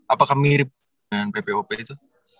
apakah mirip dengan bpop itu